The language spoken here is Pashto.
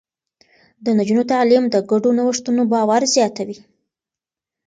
د نجونو تعليم د ګډو نوښتونو باور زياتوي.